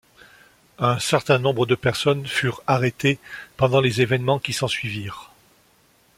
Un certain nombre de personnes furent arrêtées pendant les évènements qui s'ensuivirent.